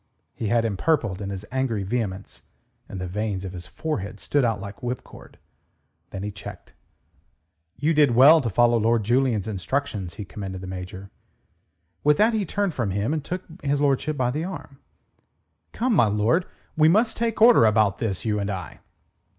He had empurpled in his angry vehemence, and the veins of his forehead stood out like whipcord. Then he checked. "You did well to follow Lord Julian's instructions," he commended the Major. With that he turned from him, and took his lordship by the arm. "Come, my lord. We must take order about this, you and I."